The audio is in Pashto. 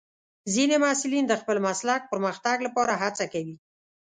ځینې محصلین د خپل مسلک پرمختګ لپاره هڅه کوي.